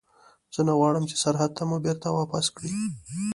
زه نه غواړم چې سرحد ته مو بېرته واپس کړي.